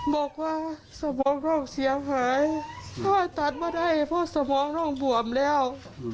บอกว่าสมองล่องเสียหายถัดไม่ได้เพราะสมองล่องบวมแล้ว